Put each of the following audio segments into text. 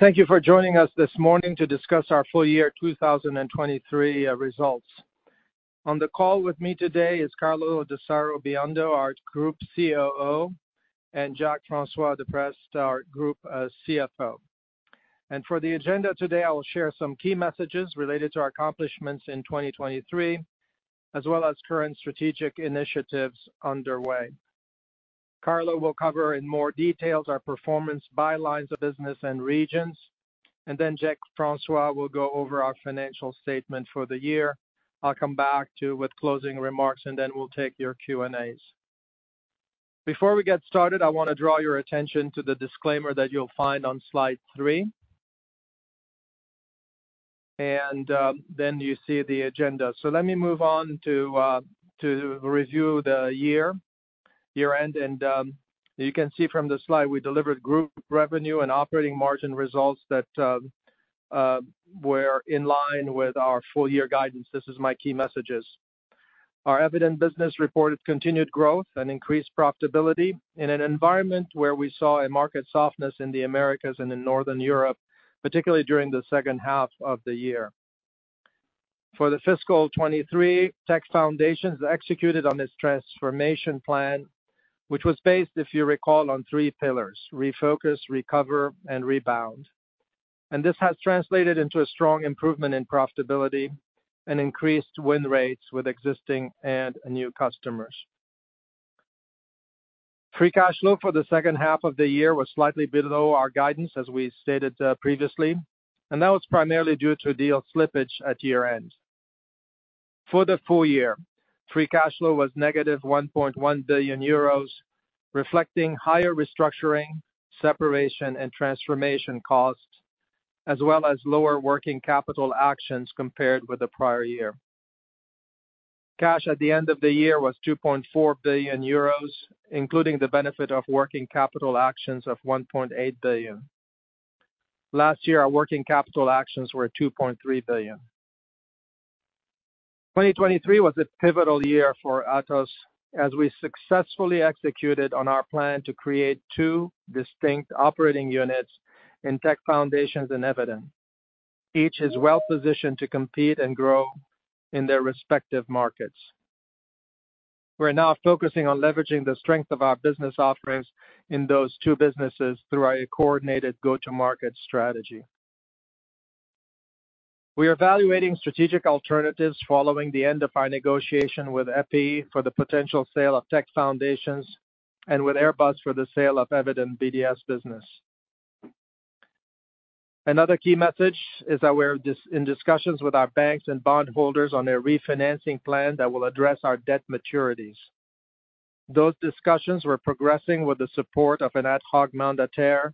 Thank you for joining us this morning to discuss our full year 2023 results. On the call with me today is Carlo d'Asaro Biondo, Atos Group COO, and Jacques-François de Prest, Atos Group CFO. For the agenda today, I will share some key messages related to our accomplishments in 2023, as well as current strategic initiatives underway. Carlo will cover in more details our performance by lines of business and regions, and then Jacques-François will go over our financial statement for the year. I'll come back with closing remarks, and then we'll take your Q&As. Before we get started, I want to draw your attention to the disclaimer that you'll find on slide three, and then you see the agenda. Let me move on to review the year, year-end. You can see from the slide, we delivered group revenue and operating margin results that were in line with our full year guidance. This is my key messages. Our Eviden business reported continued growth and increased profitability in an environment where we saw a market softness in the Americas and in Northern Europe, particularly during the second half of the year. For the fiscal 2023, Tech Foundations executed on this transformation plan, which was based, if you recall, on three pillars: refocus, recover, and rebound. This has translated into a strong improvement in profitability and increased win rates with existing and new customers. Free Cash Flow for the second half of the year was slightly below our guidance, as we stated previously, and that was primarily due to deal slippage at year-end. For the full year, free cash flow was negative 1.1 billion euros, reflecting higher restructuring, separation, and transformation costs, as well as lower working capital actions compared with the prior year. Cash at the end of the year was 2.4 billion euros, including the benefit of working capital actions of 1.8 billion. Last year, our working capital actions were 2.3 billion. 2023 was a pivotal year for Atos as we successfully executed on our plan to create two distinct operating units in Tech Foundations and Eviden, each is well-positioned to compete and grow in their respective markets. We're now focusing on leveraging the strength of our business offerings in those two businesses through our coordinated go-to-market strategy. We are evaluating strategic alternatives following the end of our negotiation with EPEI for the potential sale of Tech Foundations and with Airbus for the sale of Eviden BDS business. Another key message is that we're in discussions with our banks and bondholders on a refinancing plan that will address our debt maturities. Those discussions were progressing with the support of a mandataire ad hoc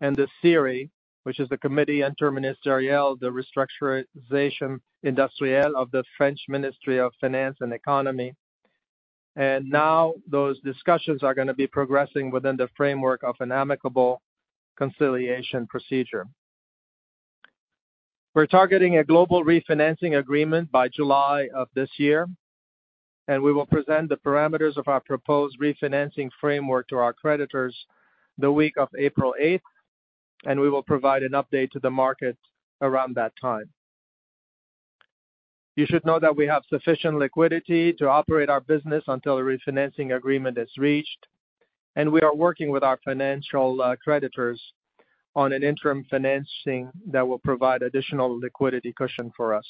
and the CRI, which is the Comité Interministériel de Restructuration Industrielle of the French Ministry of Finance and Economy. Now those discussions are going to be progressing within the framework of an amicable conciliation procedure. We're targeting a global refinancing agreement by July of this year, and we will present the parameters of our proposed refinancing framework to our creditors the week of April 8th, and we will provide an update to the market around that time. You should know that we have sufficient liquidity to operate our business until a refinancing agreement is reached, and we are working with our financial creditors on an interim financing that will provide additional liquidity cushion for us.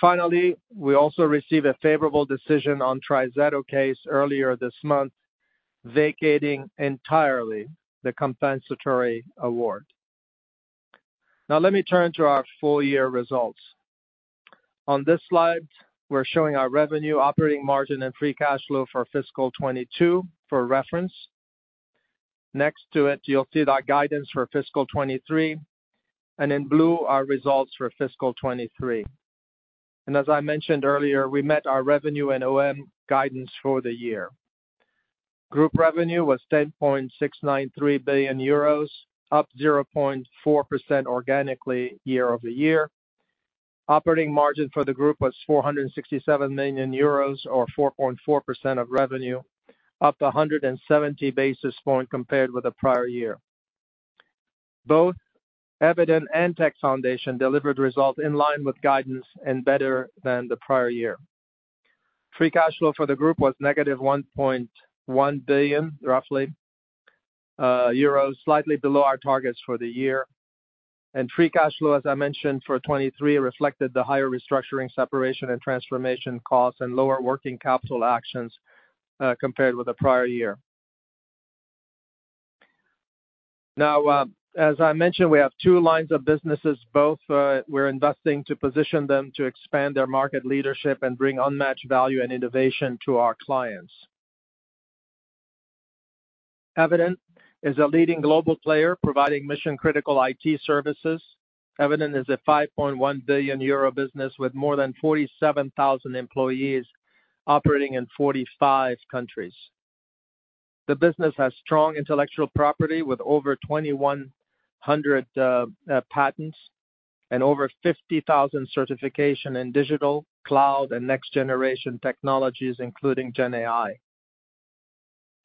Finally, we also received a favorable decision on TriZetto case earlier this month, vacating entirely the compensatory award. Now, let me turn to our full year results. On this slide, we're showing our revenue, operating margin, and free cash flow for fiscal 2022 for reference. Next to it, you'll see that guidance for fiscal 2023, and in blue, our results for fiscal 2023. As I mentioned earlier, we met our revenue and OM guidance for the year. Group revenue was 10.693 billion euros, up 0.4% organically year-over-year. Operating margin for the group was 467 million euros, or 4.4% of revenue, up 170 basis points compared with the prior year. Both Eviden and Tech Foundations delivered results in line with guidance and better than the prior year. Free cash flow for the group was negative 1.1 billion, roughly, slightly below our targets for the year. Free cash flow, as I mentioned, for 2023 reflected the higher restructuring, separation, and transformation costs, and lower working capital actions compared with the prior year. Now, as I mentioned, we have two lines of businesses. Both we're investing to position them to expand their market leadership and bring unmatched value and innovation to our clients. Eviden is a leading global player providing mission-critical IT services. Eviden is a 5.1 billion euro business with more than 47,000 employees operating in 45 countries. The business has strong intellectual property with over 2,100 patents and over 50,000 certifications in digital, cloud, and next-generation technologies, including GenAI.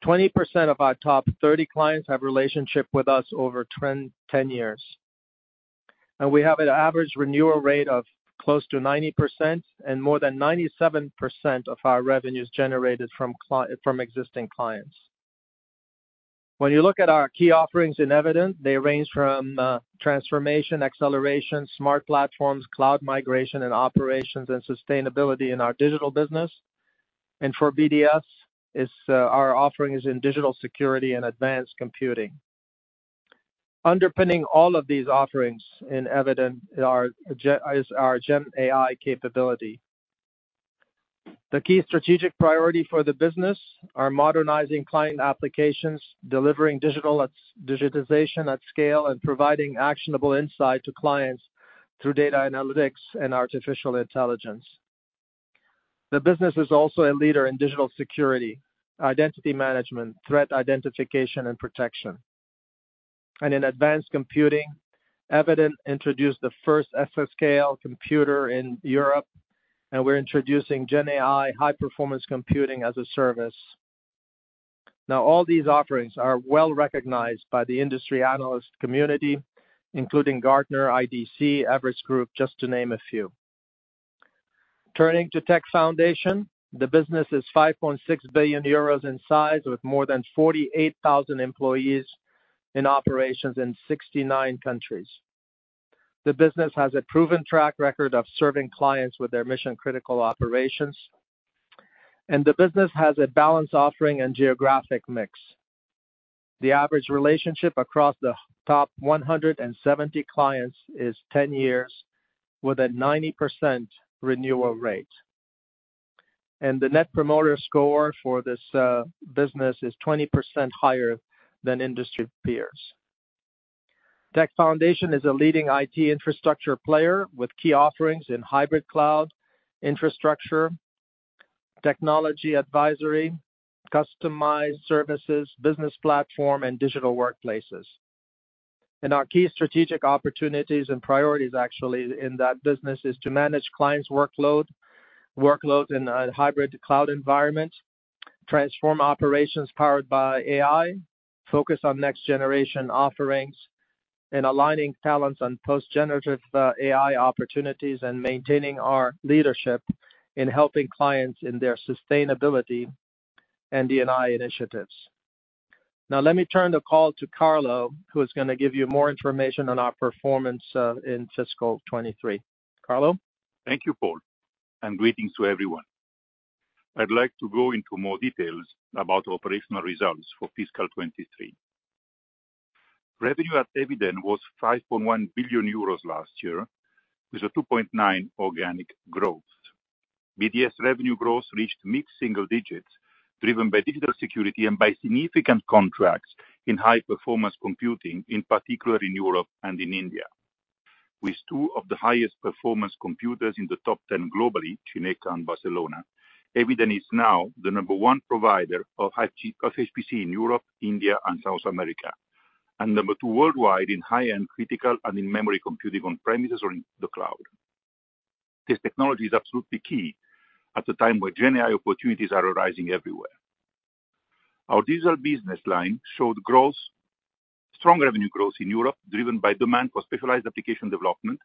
20% of our top 30 clients have a relationship with us over 10 years. And we have an average renewal rate of close to 90%, and more than 97% of our revenue is generated from existing clients. When you look at our key offerings in Eviden, they range from transformation, acceleration, smart platforms, cloud migration, and operations and sustainability in our digital business. And for BDS, our offering is in digital security and advanced computing. Underpinning all of these offerings in Eviden is our GenAI capability. The key strategic priority for the business is modernizing client applications, delivering digitization at scale, and providing actionable insight to clients through data analytics and artificial intelligence. The business is also a leader in digital security, identity management, threat identification, and protection. In advanced computing, Eviden introduced the first Exascale computer in Europe, and we're introducing GenAI high-performance computing as a service. Now, all these offerings are well-recognized by the industry analyst community, including Gartner, IDC, Everest Group, just to name a few. Turning to Tech Foundations, the business is 5.6 billion euros in size with more than 48,000 employees in operations in 69 countries. The business has a proven track record of serving clients with their mission-critical operations. The business has a balanced offering and geographic mix. The average relationship across the top 170 clients is 10 years with a 90% renewal rate. The Net Promoter Score for this business is 20% higher than industry peers. Tech Foundations is a leading IT infrastructure player with key offerings in hybrid cloud, infrastructure, technology advisory, customized services, business platform, and digital workplaces. And our key strategic opportunities and priorities, actually, in that business is to manage clients' workload in a hybrid cloud environment, transform operations powered by AI, focus on next-generation offerings, and aligning talents on post-generative AI opportunities, and maintaining our leadership in helping clients in their sustainability and D&I initiatives. Now, let me turn the call to Carlo, who is going to give you more information on our performance in fiscal 2023. Carlo? Thank you, Paul, and greetings to everyone. I'd like to go into more details about operational results for fiscal 2023. Revenue at Eviden was 5.1 billion euros last year with a 2.9% organic growth. BDS revenue growth reached mixed single digits, driven by digital security and by significant contracts in high-performance computing, in particular in Europe and in India. With two of the highest-performance computers in the top 10 globally, CINECA and Barcelona, Eviden is now the number one provider of HPC in Europe, India, and South America, and number two worldwide in high-end critical and in memory computing on-premises or in the cloud. This technology is absolutely key at a time where GenAI opportunities are arising everywhere. Our digital business line showed strong revenue growth in Europe, driven by demand for specialized application development,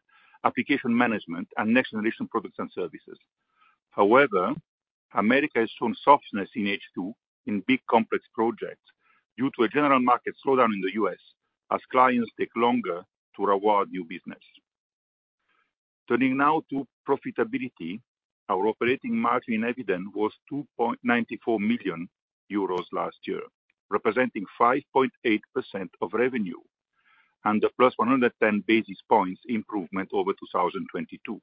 application management, and next-generation products and services. However, Americas has shown softness in H2 in big, complex projects due to a general market slowdown in the US as clients take longer to award new business. Turning now to profitability, our operating margin in Eviden was 2.94 million euros last year, representing 5.8% of revenue and a plus 110 basis points improvement over 2022.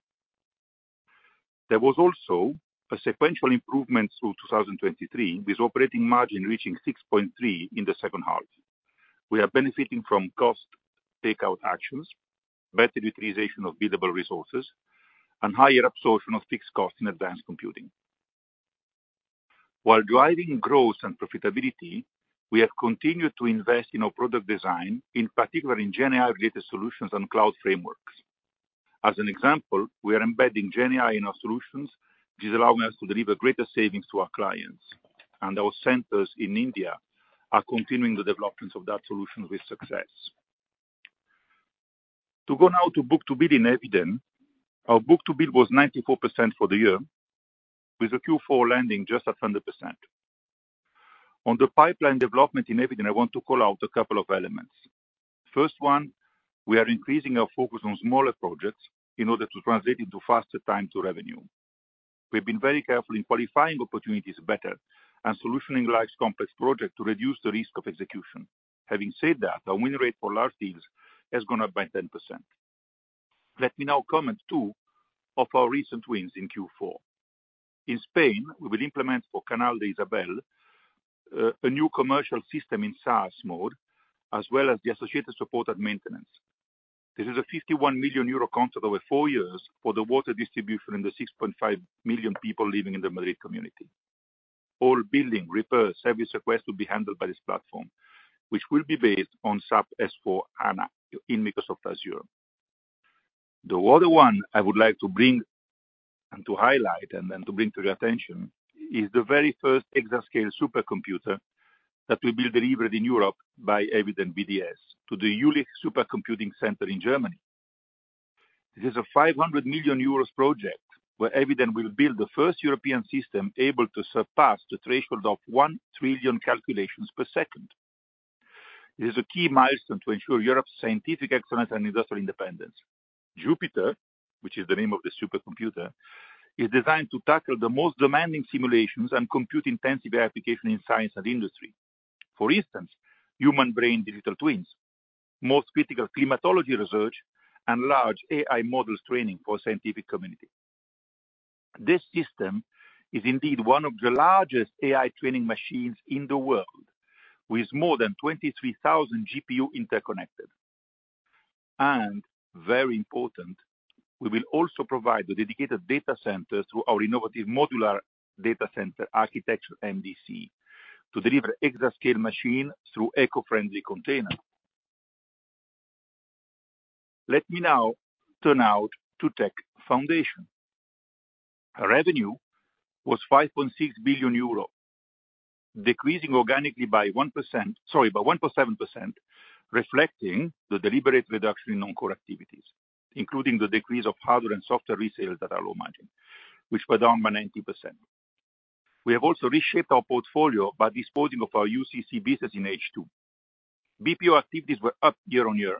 There was also a sequential improvement through 2023 with operating margin reaching 6.3% in the second half. We are benefiting from cost takeout actions, better utilization of billable resources, and higher absorption of fixed costs in advanced computing. While driving growth and profitability, we have continued to invest in our product design, in particular in GenAI-related solutions and cloud frameworks. As an example, we are embedding GenAI in our solutions, which is allowing us to deliver greater savings to our clients. Our centers in India are continuing the developments of that solution with success. To go now to book-to-bill in Eviden, our book-to-bill was 94% for the year, with a Q4 landing just at 100%. On the pipeline development in Eviden, I want to call out a couple of elements. First one, we are increasing our focus on smaller projects in order to translate into faster time to revenue. We've been very careful in qualifying opportunities better and solutioning large complex projects to reduce the risk of execution. Having said that, our win rate for large deals has gone up by 10%. Let me now comment on two of our recent wins in Q4. In Spain, we will implement for Canal de Isabel II a new commercial system in SaaS mode, as well as the associated support and maintenance. This is a 51 million euro contract over four years for the water distribution and the 6.5 million people living in the Madrid community. All building, repair, service requests will be handled by this platform, which will be based on SAP S/4HANA in Microsoft Azure. The other one I would like to bring and to highlight and then to bring to your attention is the very first exascale supercomputer that will be delivered in Europe by Eviden BDS to the Jülich Supercomputing Centre in Germany. This is a 500 million euros project where Eviden will build the first European system able to surpass the threshold of one trillion calculations per second. This is a key milestone to ensure Europe's scientific excellence and industrial independence. Jupiter, which is the name of the supercomputer, is designed to tackle the most demanding simulations and compute-intensive applications in science and industry. For instance, human-brain digital twins, most critical climatology research, and large AI models training for a scientific community. This system is indeed one of the largest AI training machines in the world, with more than 23,000 GPU interconnected. And very important, we will also provide a dedicated data center through our innovative modular data center architecture, MDC, to deliver exascale machine through eco-friendly containers. Let me now turn out to Tech Foundations. Revenue was 5.6 billion euro, decreasing organically by 1.7%, reflecting the deliberate reduction in non-core activities, including the decrease of hardware and software resales that are low margin, which were down by 90%. We have also reshaped our portfolio by disposing of our UCC business in H2. BPO activities were up year on year,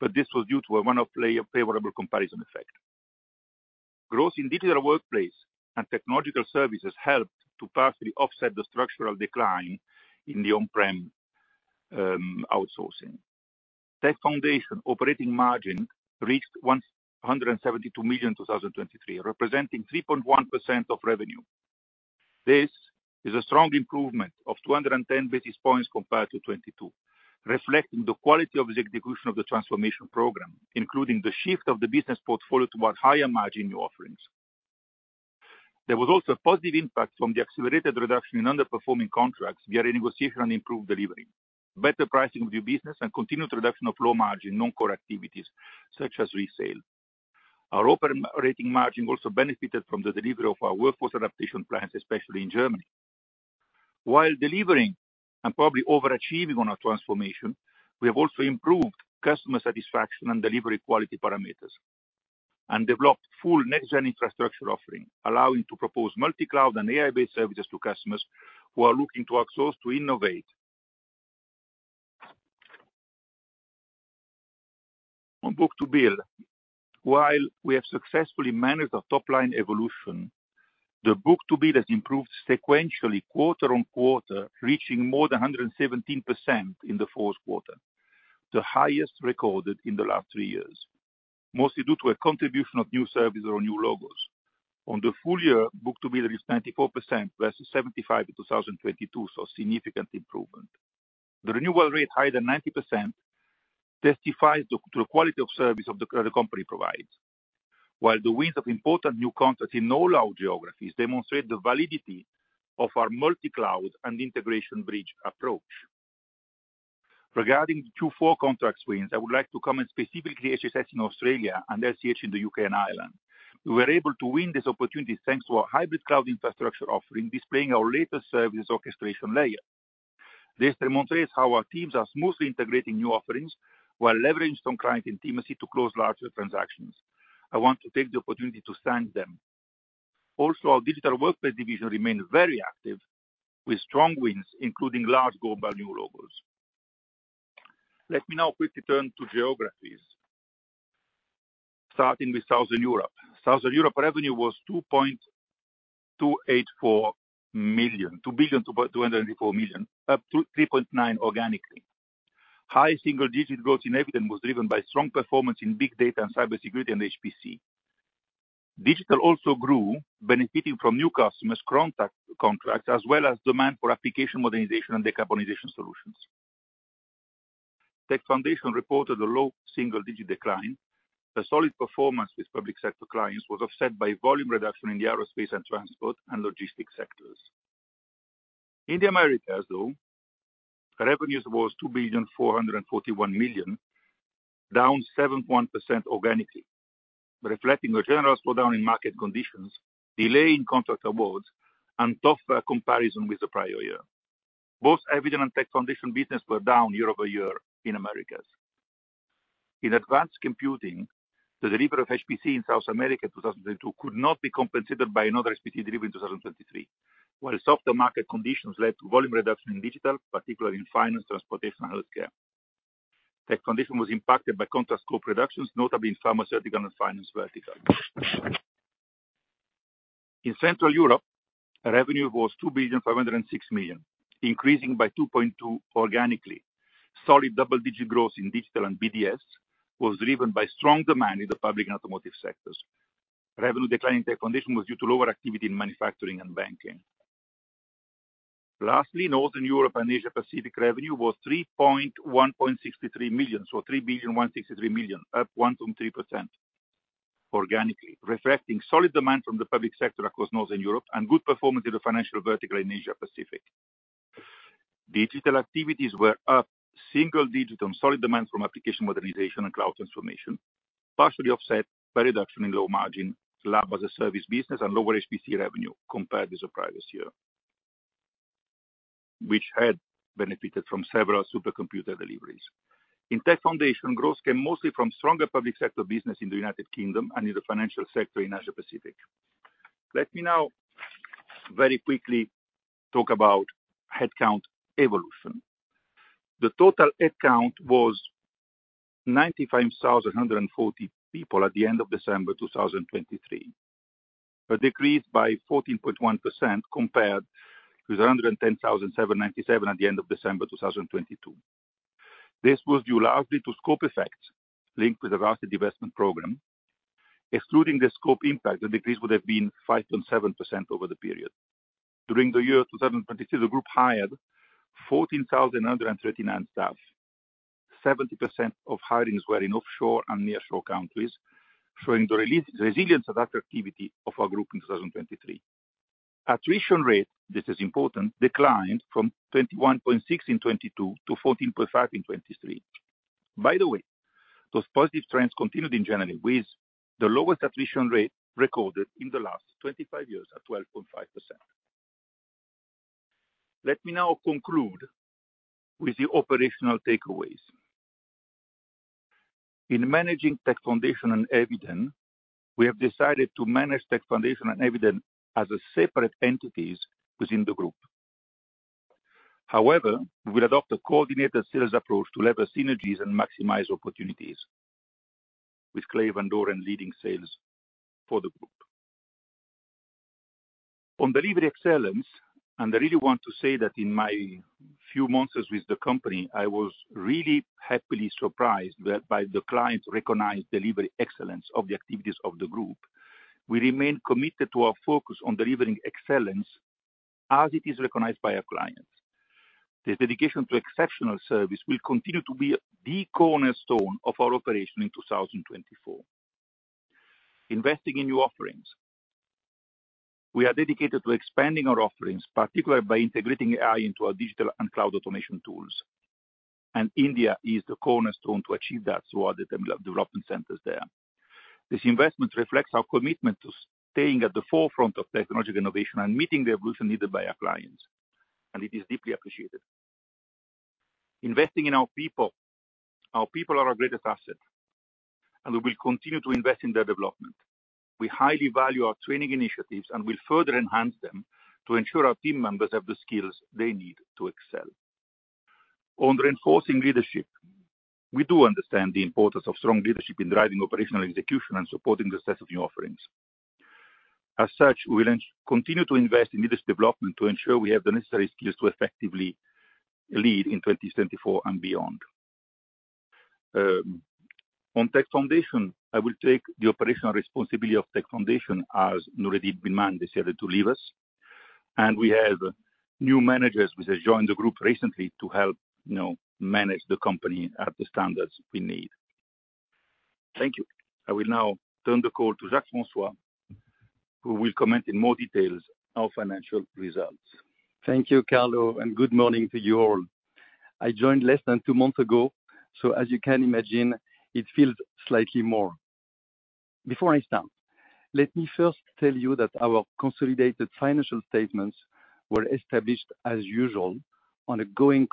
but this was due to one of favorable comparison effects. Growth in Digital Workplace and technological services helped to partially offset the structural decline in the on-prem outsourcing. Tech Foundations operating margin reached 172 million in 2023, representing 3.1% of revenue. This is a strong improvement of 210 basis points compared to 2022, reflecting the quality of the execution of the transformation program, including the shift of the business portfolio toward higher margin new offerings. There was also a positive impact from the accelerated reduction in underperforming contracts via renegotiation and improved delivery, better pricing of new business, and continued reduction of low margin non-core activities such as resale. Our operating margin also benefited from the delivery of our workforce adaptation plans, especially in Germany. While delivering and probably overachieving on our transformation, we have also improved customer satisfaction and delivery quality parameters and developed full next-gen infrastructure offering, allowing to propose multi-cloud and AI-based services to customers who are looking to outsource to innovate. On book-to-bill, while we have successfully managed our top-line evolution, the book-to-bill has improved sequentially, quarter-over-quarter, reaching more than 117% in the fourth quarter, the highest recorded in the last three years, mostly due to a contribution of new services or new logos. On the full year, book-to-bill is 94% versus 75% in 2022, so significant improvement. The renewal rate higher than 90% testifies to the quality of service the company provides, while the wins of important new contracts in all our geographies demonstrate the validity of our multi-cloud and integration bridge approach. Regarding the Q4 contract wins, I would like to comment specifically on HSS in Australia and LCH in the UK and Ireland. We were able to win this opportunity thanks to our hybrid cloud infrastructure offering, displaying our latest services orchestration layer. This demonstrates how our teams are smoothly integrating new offerings while leveraging some client intimacy to close larger transactions. I want to take the opportunity to thank them. Also, our digital workplace division remained very active with strong wins, including large global new logos. Let me now quickly turn to geographies, starting with Southern Europe. Southern Europe revenue was 2.284 billion, 2 billion 284 million, up 3.9% organically. High single-digit growth in Eviden was driven by strong performance in big data and cybersecurity and HPC. Digital also grew, benefiting from new customers' contracts as well as demand for application modernization and decarbonization solutions. Tech Foundations reported a low single-digit decline. A solid performance with public sector clients was offset by volume reduction in the aerospace and transport and logistics sectors. In the Americas, though, revenues were 2,441 million, down 7.1% organically, reflecting a general slowdown in market conditions, delay in contract awards, and tougher comparison with the prior year. Both Eviden and Tech Foundations business were down year-over-year in Americas. In advanced computing, the delivery of HPC in South America in 2022 could not be compensated by another HPC delivery in 2023, while softer market conditions led to volume reduction in digital, particularly in finance, transportation, and healthcare. Tech Foundations was impacted by contract scope reductions, notably in pharmaceutical and finance verticals. In Central Europe, revenue was 2,506 million, increasing by 2.2% organically. Solid double-digit growth in digital and BDS was driven by strong demand in the public and automotive sectors. Revenue decline in Tech Foundations was due to lower activity in manufacturing and banking. Lastly, Northern Europe and Asia-Pacific revenue were 3,163 million, so 3 billion 163 million, up 1.3% organically, reflecting solid demand from the public sector across Northern Europe and good performance in the financial vertical in Asia-Pacific. Digital activities were up single-digit on solid demand from application modernization and cloud transformation, partially offset by reduction in low margin, lab as a service business, and lower HPC revenue compared with the previous year, which had benefited from several supercomputer deliveries. In Tech Foundations, growth came mostly from stronger public sector business in the United Kingdom and in the financial sector in Asia-Pacific. Let me now very quickly talk about headcount evolution. The total headcount was 95,140 people at the end of December 2023, a decrease by 14.1% compared with 110,797 at the end of December 2022. This was due largely to scope effects linked with the vast investment program. Excluding the scope impact, the decrease would have been 5.7% over the period. During the year 2023, the group hired 14,939 staff. 70% of hirings were in offshore and nearshore countries, showing the resilience and attractivity of our group in 2023. Attrition rate, this is important, declined from 21.6% in 2022 to 14.5% in 2023. By the way, those positive trends continued in general, with the lowest attrition rate recorded in the last 25 years at 12.5%. Let me now conclude with the operational takeaways. In managing Tech Foundations and Eviden, we have decided to manage Tech Foundations and Eviden as separate entities within the group. However, we will adopt a coordinated sales approach to leverage synergies and maximize opportunities, with Clay Van Doren leading sales for the group. On delivery excellence, and I really want to say that in my few months with the company, I was really happily surprised by the client's recognized delivery excellence of the activities of the group. We remain committed to our focus on delivering excellence as it is recognized by our clients. This dedication to exceptional service will continue to be the cornerstone of our operation in 2024. Investing in new offerings. We are dedicated to expanding our offerings, particularly by integrating AI into our digital and cloud automation tools. India is the cornerstone to achieve that through our development centers there. This investment reflects our commitment to staying at the forefront of technological innovation and meeting the evolution needed by our clients, and it is deeply appreciated. Investing in our people. Our people are our greatest asset, and we will continue to invest in their development. We highly value our training initiatives and will further enhance them to ensure our team members have the skills they need to excel. On reinforcing leadership. We do understand the importance of strong leadership in driving operational execution and supporting the success of new offerings. As such, we will continue to invest in leadership development to ensure we have the necessary skills to effectively lead in 2024 and beyond. On Tech Foundations, I will take the operational responsibility of Tech Foundations as Nourdine Bihmane decided to leave us. We have new managers who have joined the group recently to help manage the company at the standards we need. Thank you. I will now turn the call to Jacques-François, who will comment in more details on financial results. Thank you, Carlo, and good morning to you all. I joined less than two months ago, so as you can imagine, it feels slightly more. Before I start, let me first tell you that our consolidated financial statements were established as usual on a going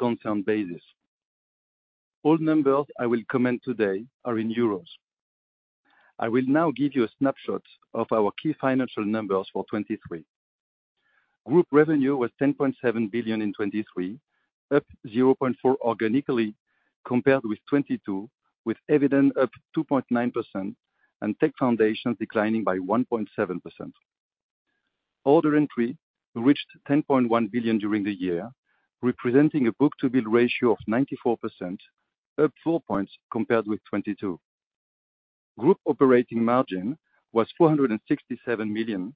concern basis. All numbers I will comment today are in euros. I will now give you a snapshot of our key financial numbers for 2023. Group revenue was 10.7 billion in 2023, up 0.4% organically compared with 2022, with Eviden up 2.9% and Tech Foundations declining by 1.7%. Order entry reached 10.1 billion during the year, representing a book-to-bill ratio of 94%, up 4 points compared with 2022. Group operating margin was 467 million,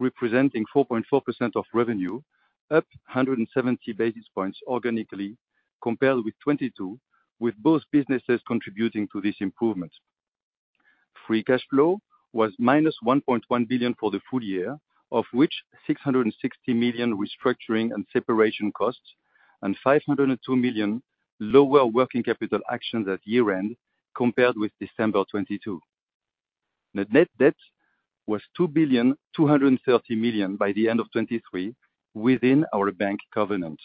representing 4.4% of revenue, up 170 basis points organically compared with 2022, with both businesses contributing to this improvement. Free cash flow was minus 1.1 billion for the full year, of which 660 million restructuring and separation costs and 502 million lower working capital actions at year-end compared with December 2022. Net debt was 2.23 billion by the end of 2023 within our bank covenant.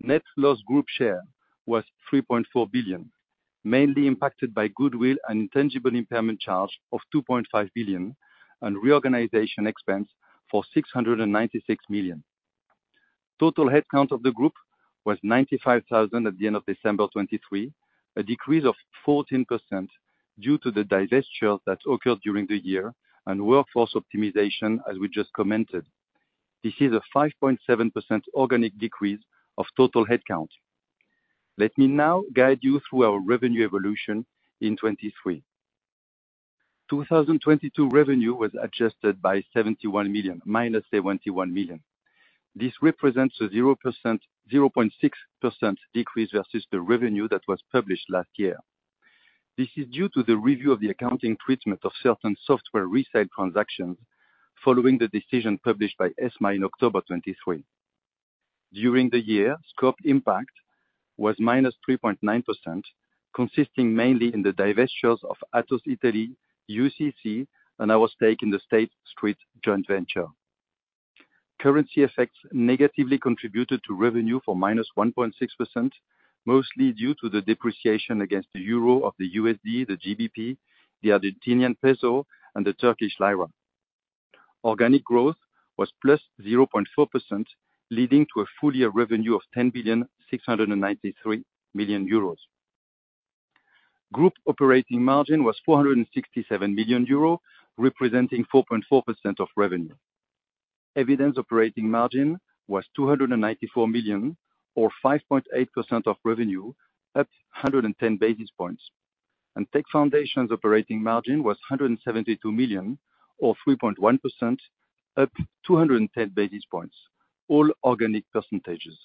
Net loss group share was 3.4 billion, mainly impacted by goodwill and intangible impairment charge of 2.5 billion and reorganization expense for 696 million. Total headcount of the group was 95,000 at the end of December 2023, a decrease of 14% due to the divestiture that occurred during the year and workforce optimization, as we just commented. This is a 5.7% organic decrease of total headcount. Let me now guide you through our revenue evolution in 2023. 2022 revenue was adjusted by minus 71 million. This represents a 0.6% decrease versus the revenue that was published last year. This is due to the review of the accounting treatment of certain software resale transactions following the decision published by ESMA in October 2023. During the year, scope impact was -3.9%, consisting mainly in the divestitures of Atos Italy, UCC, and our stake in the State Street joint venture. Currency effects negatively contributed to revenue for -1.6%, mostly due to the depreciation against the euro of the USD, the GBP, the Argentine peso, and the Turkish lira. Organic growth was +0.4%, leading to a full-year revenue of 10,693 million euros. Group operating margin was 467 million euros, representing 4.4% of revenue. Eviden operating margin was 294 million, or 5.8% of revenue, up 110 basis points. Tech Foundations' operating margin was 172 million, or 3.1%, up 210 basis points, all organic percentages.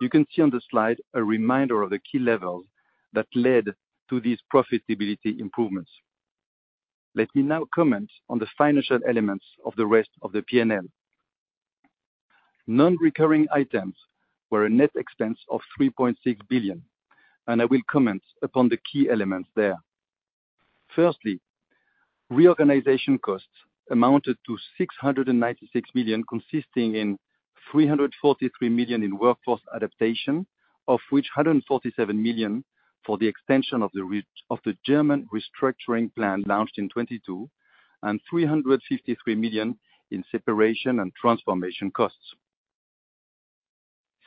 You can see on the slide a reminder of the key levels that led to these profitability improvements. Let me now comment on the financial elements of the rest of the P&L. Non-recurring items were a net expense of 3.6 billion, and I will comment upon the key elements there. Firstly, reorganization costs amounted to 696 million, consisting in 343 million in workforce adaptation, of which 147 million for the extension of the German restructuring plan launched in 2022 and 353 million in separation and transformation costs.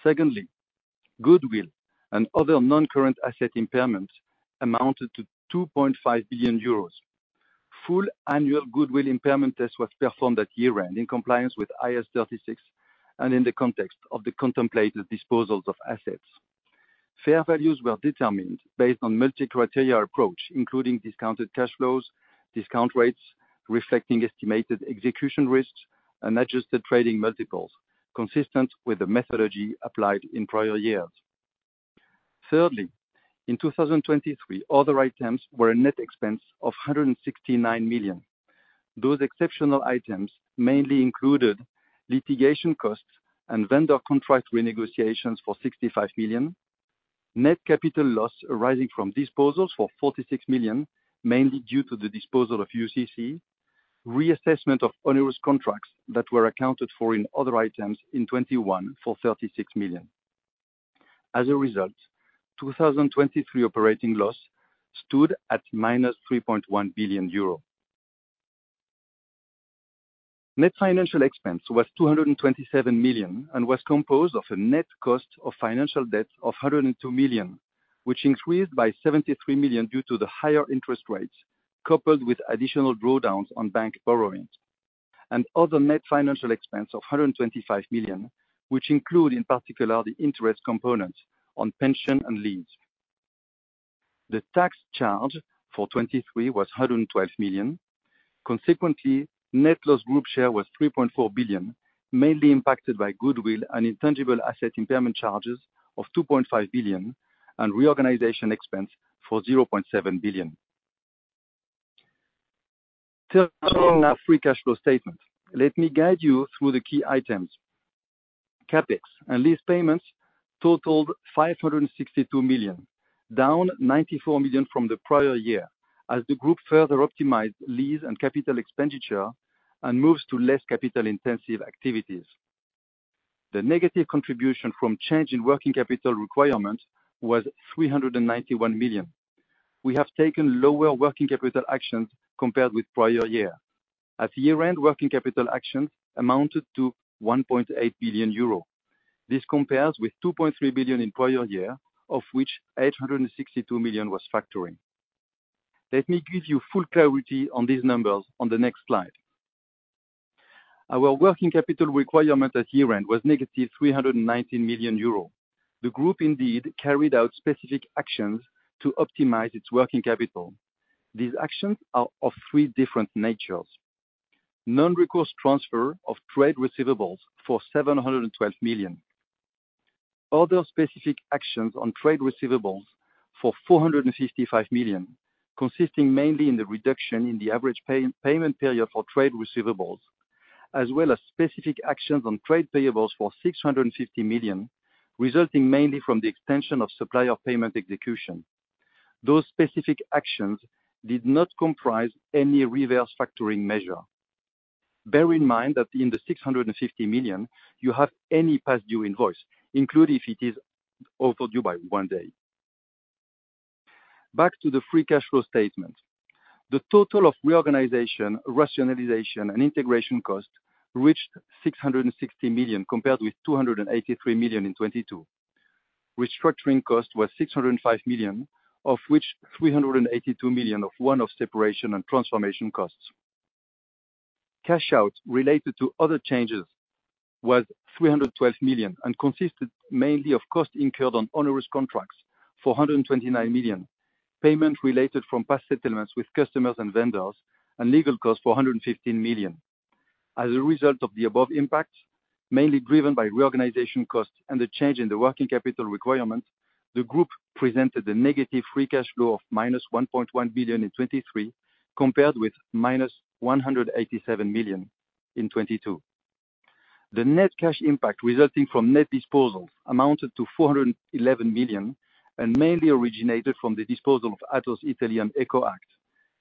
Secondly, goodwill and other non-current asset impairments amounted to 2.5 billion euros. Full annual goodwill impairment test was performed at year-end in compliance with IAS 36 and in the context of the contemplated disposals of assets. Fair values were determined based on multi-criteria approach, including discounted cash flows, discount rates reflecting estimated execution risks, and adjusted trading multiples consistent with the methodology applied in prior years. Thirdly, in 2023, other items were a net expense of 169 million. Those exceptional items mainly included litigation costs and vendor contract renegotiations for 65 million, net capital loss arising from disposals for 46 million, mainly due to the disposal of UCC, reassessment of onerous contracts that were accounted for in other items in 2021 for 36 million. As a result, 2023 operating loss stood at -3.1 billion euro. Net financial expense was 227 million and was composed of a net cost of financial debt of 102 million, which increased by 73 million due to the higher interest rates coupled with additional drawdowns on bank borrowing, and other net financial expense of 125 million, which include in particular the interest components on pension and leaves. The tax charge for 2023 was 112 million. Consequently, net loss group share was 3.4 billion, mainly impacted by goodwill and intangible asset impairment charges of 2.5 billion and reorganization expense for 0.7 billion. Turning now free cash flow statement. Let me guide you through the key items. CapEx and lease payments totaled 562 million, down 94 million from the prior year as the group further optimized lease and capital expenditure and moves to less capital-intensive activities. The negative contribution from change in working capital requirement was 391 million. We have taken lower working capital actions compared with prior year at year-end. Working capital actions amounted to 1.8 billion euro. This compares with 2.3 billion in prior year, of which 862 million was factoring. Let me give you full clarity on these numbers on the next slide. Our working capital requirement at year-end was negative 319 million euros. The group indeed carried out specific actions to optimize its working capital. These actions are of three different natures: non-recourse transfer of trade receivables for 712 million, other specific actions on trade receivables for 455 million, consisting mainly in the reduction in the average payment period for trade receivables, as well as specific actions on trade payables for 650 million, resulting mainly from the extension of supplier payment execution. Those specific actions did not comprise any reverse factoring measure. Bear in mind that in the 650 million, you have any past due invoice, including if it is overdue by one day. Back to the Free Cash Flow statement. The total of reorganization, rationalization, and integration cost reached 660 million compared with 283 million in 2022. Restructuring cost was 605 million, of which 382 million of one of separation and transformation costs. Cash out related to other changes was 312 million and consisted mainly of cost incurred on onerous contracts for 129 million, payment related from past settlements with customers and vendors, and legal costs for 115 million. As a result of the above impacts, mainly driven by reorganization costs and the change in the Working Capital requirement, the group presented a negative Free Cash Flow of -1.1 billion in 2023 compared with -187 million in 2022. The net cash impact resulting from net disposals amounted to 411 million and mainly originated from the disposal of Atos Italy and EcoAct.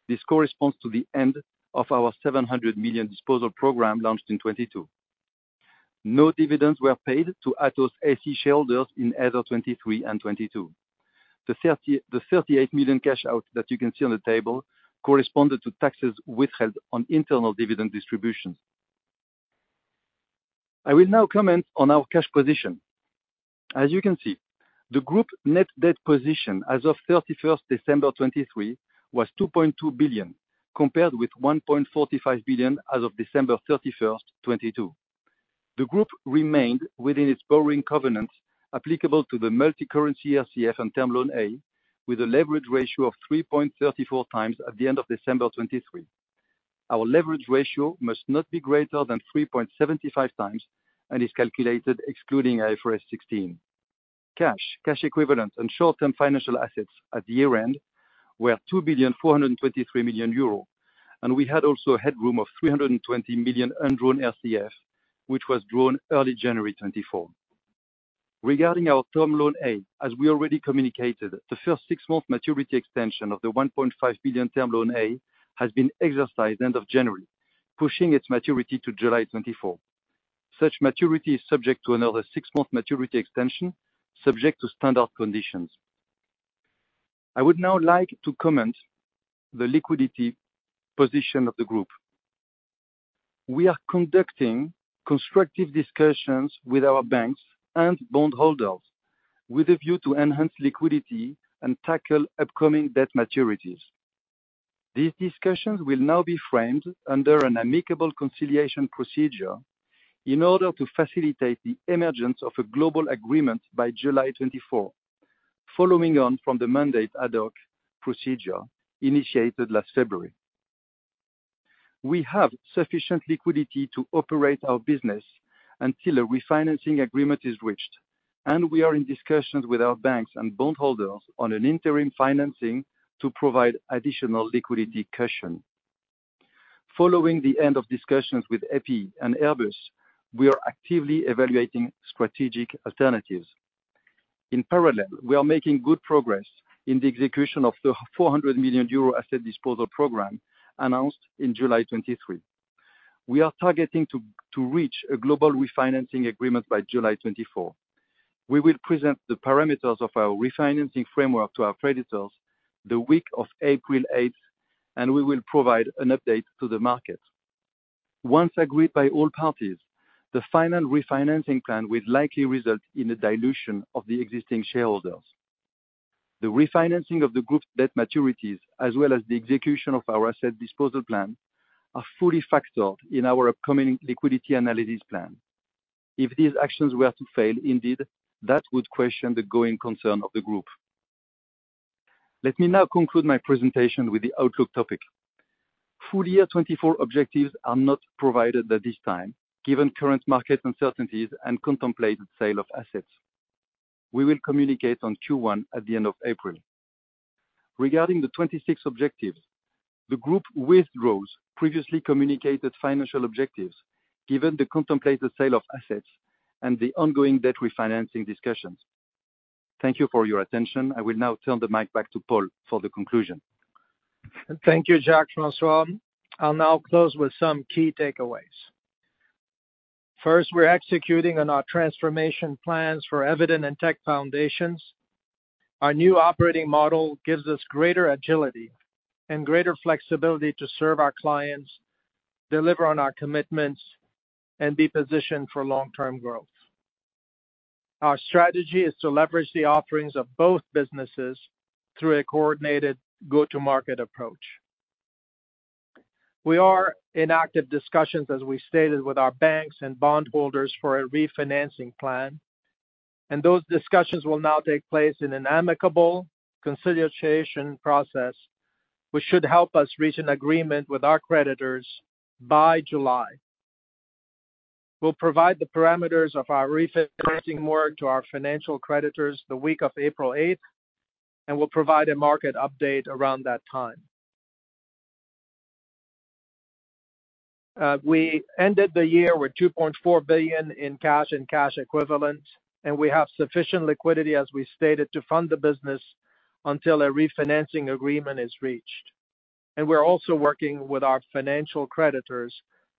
This corresponds to the end of our 700 million disposal program launched in 2022. No dividends were paid to Atos SE shareholders in either 2023 and 2022. The 38 million cash out that you can see on the table corresponded to taxes withheld on internal dividend distributions. I will now comment on our cash position. As you can see, the group net debt position as of 31 December 2023 was 2.2 billion compared with 1.45 billion as of December 31, 2022. The group remained within its borrowing covenants applicable to the multicurrency RCF and term loan A, with a leverage ratio of 3.34x at the end of December 2023. Our leverage ratio must not be greater than 3.75x and is calculated excluding IFRS 16. Cash, cash equivalents, and short-term financial assets at year-end were 2,423 million euro, and we had also a headroom of 320 million undrawn RCF, which was drawn early January 2024. Regarding our term loan A, as we already communicated, the first six-month maturity extension of the 1.5 billion term loan A has been exercised end of January, pushing its maturity to July 2024. Such maturity is subject to another six-month maturity extension, subject to standard conditions. I would now like to comment on the liquidity position of the group. We are conducting constructive discussions with our banks and bondholders with a view to enhance liquidity and tackle upcoming debt maturities. These discussions will now be framed under an amicable conciliation procedure in order to facilitate the emergence of a global agreement by July 2024, following on from the mandataire ad hoc procedure initiated last February. We have sufficient liquidity to operate our business until a refinancing agreement is reached, and we are in discussions with our banks and bondholders on an interim financing to provide additional liquidity cushion. Following the end of discussions with EPEI and Airbus, we are actively evaluating strategic alternatives. In parallel, we are making good progress in the execution of the 400 million euro asset disposal program announced in July 2023. We are targeting to reach a global refinancing agreement by July 2024. We will present the parameters of our refinancing framework to our creditors the week of April 8, and we will provide an update to the market. Once agreed by all parties, the final refinancing plan would likely result in a dilution of the existing shareholders. The refinancing of the group's debt maturities, as well as the execution of our asset disposal plan, are fully factored in our upcoming liquidity analysis plan. If these actions were to fail, indeed, that would question the going concern of the group. Let me now conclude my presentation with the outlook topic. Full year 2024 objectives are not provided at this time, given current market uncertainties and contemplated sale of assets. We will communicate on Q1 at the end of April. Regarding the 2026 objectives, the group withdraws previously communicated financial objectives given the contemplated sale of assets and the ongoing debt refinancing discussions. Thank you for your attention. I will now turn the mic back to Paul for the conclusion. Thank you, Jacques-François. I'll now close with some key takeaways. First, we're executing on our transformation plans for Eviden and Tech Foundations. Our new operating model gives us greater agility and greater flexibility to serve our clients, deliver on our commitments, and be positioned for long-term growth. Our strategy is to leverage the offerings of both businesses through a coordinated go-to-market approach. We are in active discussions, as we stated, with our banks and bondholders for a refinancing plan, and those discussions will now take place in an amicable conciliation process which should help us reach an agreement with our creditors by July. We'll provide the parameters of our refinancing work to our financial creditors the week of April 8, and we'll provide a market update around that time. We ended the year with 2.4 billion in cash and cash equivalents, and we have sufficient liquidity, as we stated, to fund the business until a refinancing agreement is reached. And we're also working with our financial creditors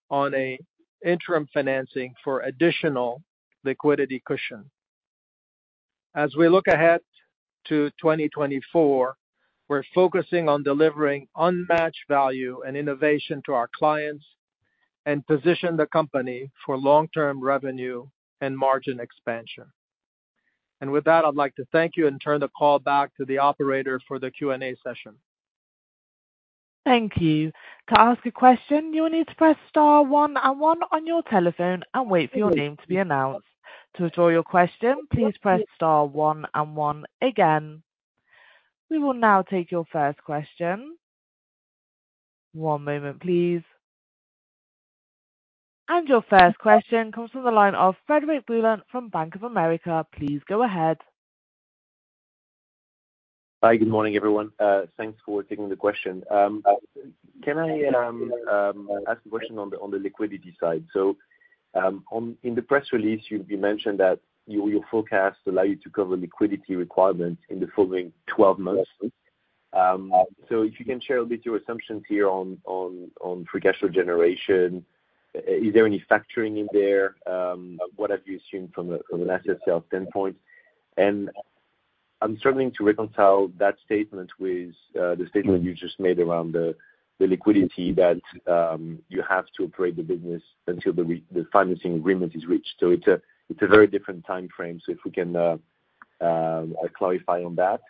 on an interim financing for additional liquidity cushion. As we look ahead to 2024, we're focusing on delivering unmatched value and innovation to our clients and position the company for long-term revenue and margin expansion. And with that, I'd like to thank you and turn the call back to the operator for the Q&A session. Thank you. To ask a question, you will need to press star one and one on your telephone and wait for your name to be announced. To withdraw your question, please press star one and one again. We will now take your first question. One moment, please. And your first question comes from the line of Frederic Boulan from Bank of America. Please go ahead. Hi. Good morning, everyone. Thanks for taking the question. Can I ask a question on the liquidity side? So in the press release, you mentioned that your forecasts allow you to cover liquidity requirements in the following 12 months. So if you can share a bit your assumptions here on free cash flow generation, is there any factoring in there? What have you assumed from an SSL standpoint? And I'm struggling to reconcile that statement with the statement you just made around the liquidity that you have to operate the business until the financing agreement is reached. So it's a very different time frame, so if we can clarify on that.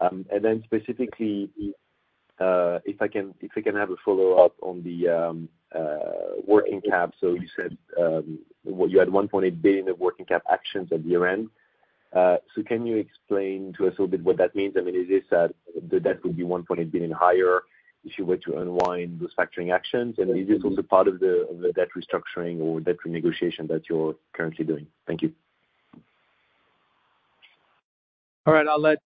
And then specifically, if I can have a follow-up on the working cap. So you said you had 1.8 billion of working cap actions at year-end. So can you explain to us a little bit what that means? I mean, is this that the debt would be 1.8 billion higher if you were to unwind those factoring actions? And is this also part of the debt restructuring or debt renegotiation that you're currently doing? Thank you. All right. I'll let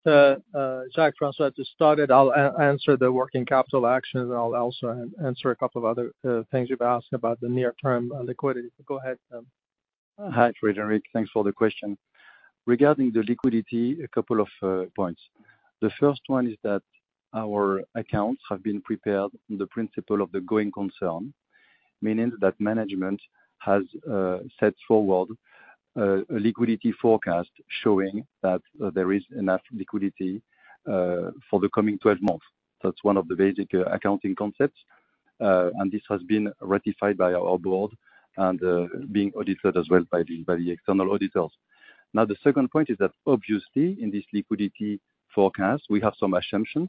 Jacques-François just start it. I'll answer the working capital actions, and I'll also answer a couple of other things you've asked about the near-term liquidity. Go ahead. Hi, Frederic. Thanks for the question. Regarding the liquidity, a couple of points. The first one is that our accounts have been prepared on the principle of the going concern, meaning that management has set forward a liquidity forecast showing that there is enough liquidity for the coming 12 months. That's one of the basic accounting concepts, and this has been ratified by our board and being audited as well by the external auditors. Now, the second point is that obviously, in this liquidity forecast, we have some assumptions.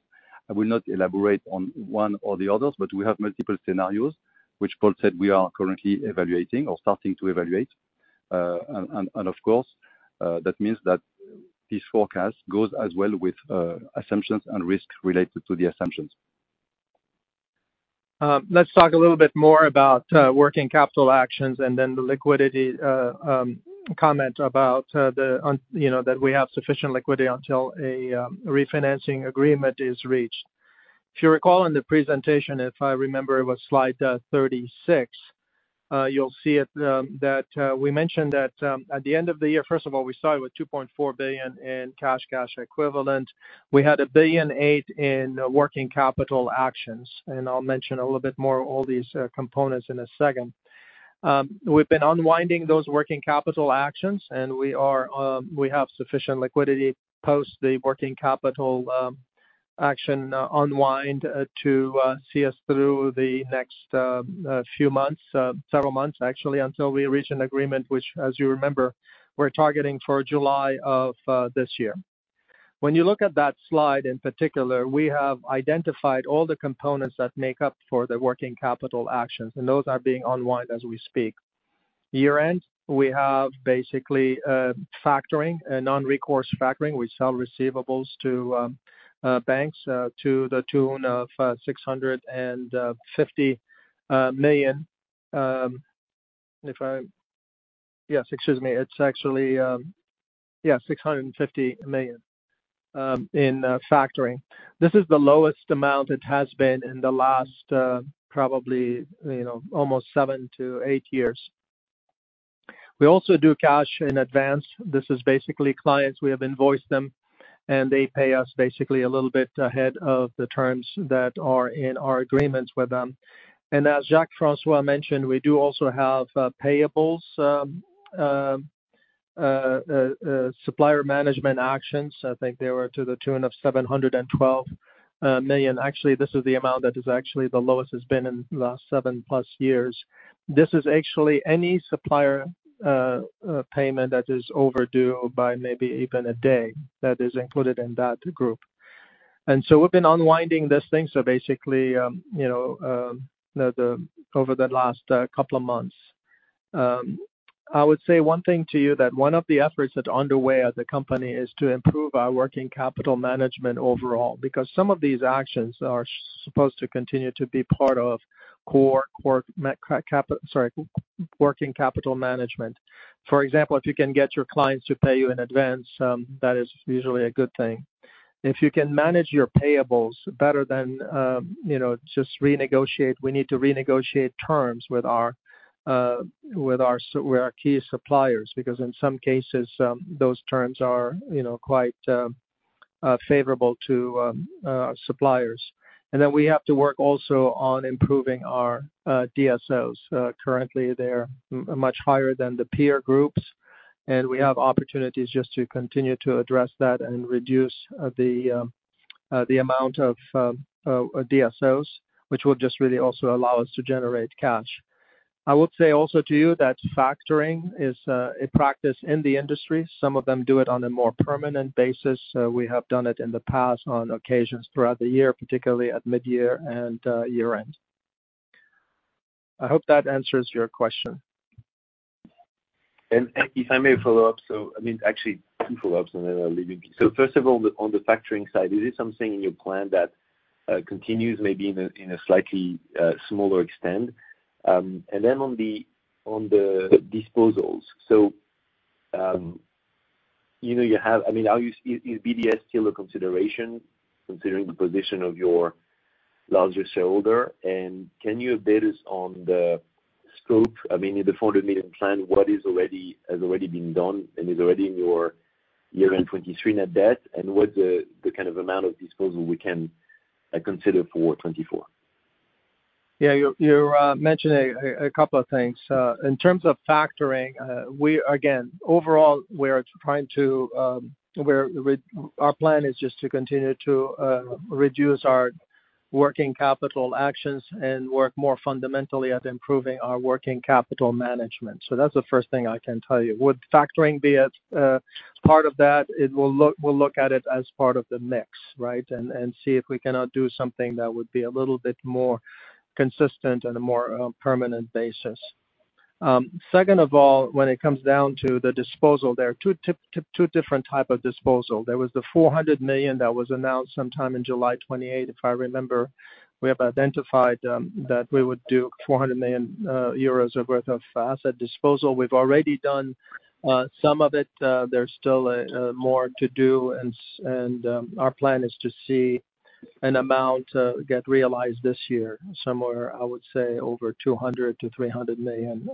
I will not elaborate on one or the others, but we have multiple scenarios, which Paul said we are currently evaluating or starting to evaluate. Of course, that means that this forecast goes as well with assumptions and risk related to the assumptions. Let's talk a little bit more about working capital actions and then the liquidity comment about that we have sufficient liquidity until a refinancing agreement is reached. If you recall in the presentation, if I remember, it was slide 36, you'll see that we mentioned that at the end of the year, first of all, we started with 2.4 billion in cash and cash equivalents. We had 1.8 billion in working capital actions, and I'll mention a little bit more all these components in a second. We've been unwinding those working capital actions, and we have sufficient liquidity post the working capital action unwind to see us through the next few months, several months, actually, until we reach an agreement, which, as you remember, we're targeting for July of this year. When you look at that slide in particular, we have identified all the components that make up for the working capital actions, and those are being unwind as we speak. Year-end, we have basically factoring, non-recourse factoring. We sell receivables to banks to the tune of 650 million. Yes, excuse me. It's actually, yeah, 650 million in factoring. This is the lowest amount it has been in the last probably almost seven to eight years. We also do cash in advance. This is basically clients we have invoiced them, and they pay us basically a little bit ahead of the terms that are in our agreements with them. As Jacques-François mentioned, we do also have payables, supplier management actions. I think they were to the tune of 712 million. Actually, this is the amount that has actually the lowest has been in the last 7+ years. This is actually any supplier payment that is overdue by maybe even a day that is included in that group. And so we've been unwinding these things, so basically, over the last couple of months. I would say one thing to you, that one of the efforts that's underway at the company is to improve our working capital management overall because some of these actions are supposed to continue to be part of core, core sorry, working capital management. For example, if you can get your clients to pay you in advance, that is usually a good thing. If you can manage your payables better than just renegotiate, we need to renegotiate terms with our key suppliers because in some cases, those terms are quite favorable to our suppliers. Then we have to work also on improving our DSOs. Currently, they're much higher than the peer groups, and we have opportunities just to continue to address that and reduce the amount of DSOs, which will just really also allow us to generate cash. I would say also to you that factoring is a practice in the industry. Some of them do it on a more permanent basis. We have done it in the past on occasions throughout the year, particularly at midyear and year-end. I hope that answers your question. If I may follow up, so I mean, actually, two follow-ups, and then I'll leave you. So first of all, on the factoring side, is this something in your plan that continues maybe in a slightly smaller extent? And then on the disposals, so you have I mean, is BDS still a consideration considering the position of your larger shareholder? And can you update us on the scope? I mean, in the 400 million plan, what has already been done and is already in your year-end 2023 net debt, and what's the kind of amount of disposal we can consider for 2024? Yeah. You mentioned a couple of things. In terms of factoring, again, overall, we are trying to our plan is just to continue to reduce our working capital actions and work more fundamentally at improving our working capital management. So that's the first thing I can tell you. Would factoring be a part of that? We'll look at it as part of the mix, right, and see if we cannot do something that would be a little bit more consistent on a more permanent basis. Second of all, when it comes down to the disposal, there are two different types of disposal. There was the 400 million that was announced sometime in July 28, if I remember. We have identified that we would do 400 million euros' worth of asset disposal. We've already done some of it. There's still more to do, and our plan is to see an amount get realized this year, somewhere, I would say, over 200 million-300 million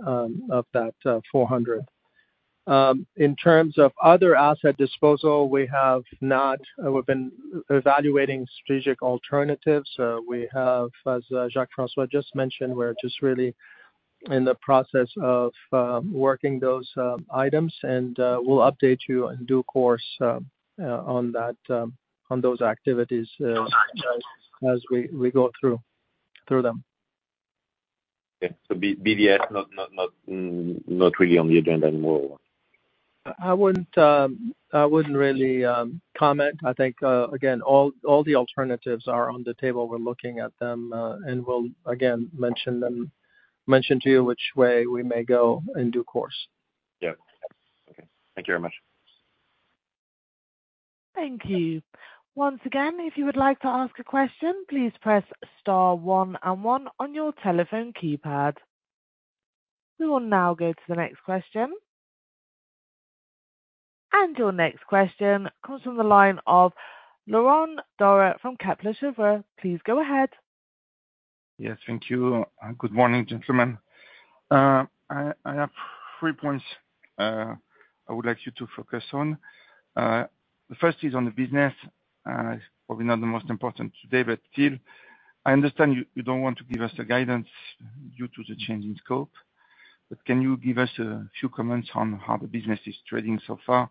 of that 400 million. In terms of other asset disposal, we have not. We've been evaluating strategic alternatives. As Jacques-François just mentioned, we're just really in the process of working those items, and we'll update you in due course on those activities as we go through them. Okay. So BDS not really on the agenda anymore? I wouldn't really comment. I think, again, all the alternatives are on the table. We're looking at them, and we'll, again, mention to you which way we may go in due course. Yep. Okay. Thank you very much. Thank you. Once again, if you would like to ask a question, please press star one and one on your telephone keypad. We will now go to the next question. And your next question comes from the line of Laurent Daure from Kepler Cheuvreux. Please go ahead. Yes. Thank you. Good morning, gentlemen. I have three points I would like you to focus on. The first is on the business, probably not the most important today, but still, I understand you don't want to give us the guidance due to the change in scope, but can you give us a few comments on how the business is trading so far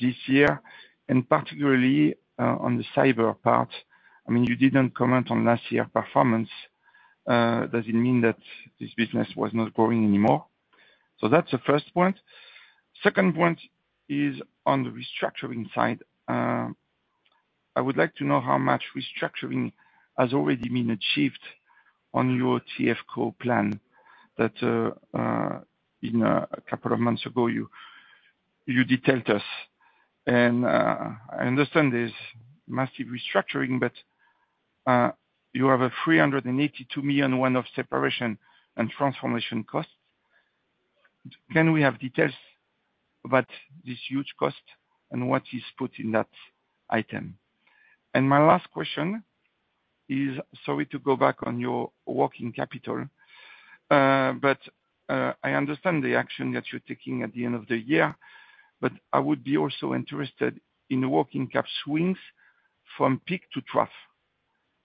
this year, and particularly on the cyber part? I mean, you didn't comment on last year's performance. Does it mean that this business was not growing anymore? So that's the first point. Second point is on the restructuring side. I would like to know how much restructuring has already been achieved on your TFCO plan that a couple of months ago, you detailed us. And I understand there's massive restructuring, but you have a 382 million one-off separation and transformation cost. Can we have details about this huge cost and what is put in that item? My last question is, sorry to go back on your working capital, but I would be also interested in the working cap swings from peak to trough.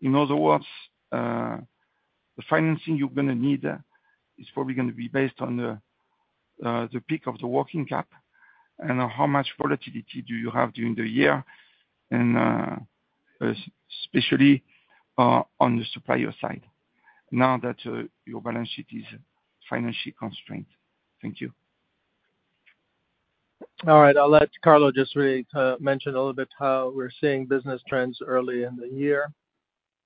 In other words, the financing you're going to need is probably going to be based on the peak of the working cap and how much volatility do you have during the year, especially on the supplier side now that your balance sheet is financially constrained. Thank you. All right. I'll let Carlo just really mention a little bit how we're seeing business trends early in the year.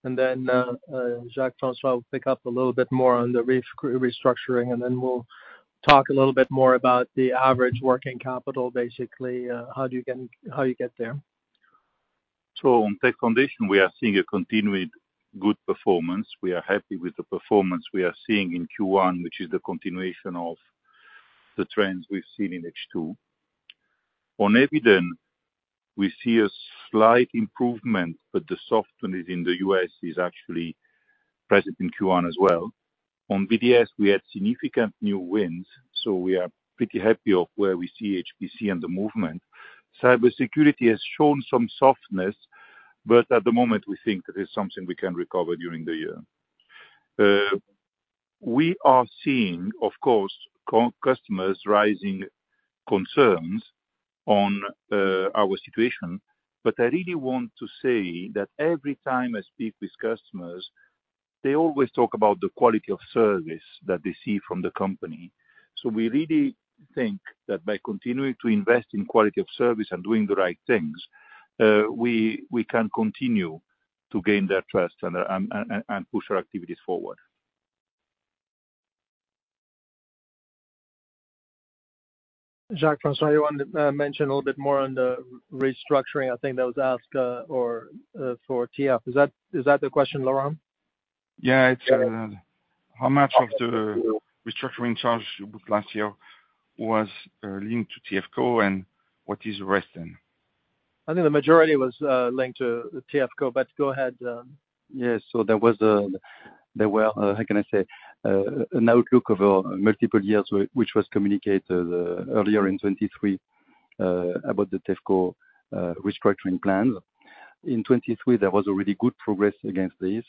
And then Jacques-François will pick up a little bit more on the restructuring, and then we'll talk a little bit more about the average working capital, basically, how you get there. So on Tech Foundations, we are seeing a continued good performance. We are happy with the performance we are seeing in Q1, which is the continuation of the trends we've seen in H2. On Eviden, we see a slight improvement, but the softness in the U.S. is actually present in Q1 as well. On BDS, we had significant new wins, so we are pretty happy of where we see HPC and the movement. Cybersecurity has shown some softness, but at the moment, we think that is something we can recover during the year. We are seeing, of course, customers raising concerns on our situation, but I really want to say that every time I speak with customers, they always talk about the quality of service that they see from the company. So we really think that by continuing to invest in quality of service and doing the right things, we can continue to gain their trust and push our activities forward. Jacques-François, you want to mention a little bit more on the restructuring? I think that was asked for TF. Is that the question, Laurent? Yeah. How much of the restructuring charge last year was linked to TFCO, and what is the rest then? I think the majority was linked to TFCO, but go ahead. Yeah. So there was a how can I say? An outlook over multiple years, which was communicated earlier in 2023 about the TFCO restructuring plans. In 2023, there was already good progress against these.